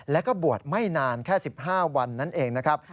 แล้วก็บวชไม่นานแค่๑๕วันนั่นเองนะครับ